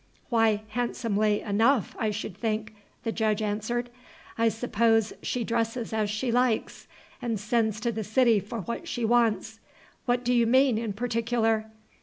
"Why, handsomely enough, I should think," the Judge answered. "I suppose she dresses as she likes, and sends to the city for what she wants. What do you mean in particular?